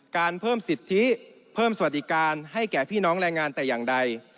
การเพิ่มสิทธิเพิ่มสวัสดิการให้แก่พี่น้องแรงงานแต่อย่างใด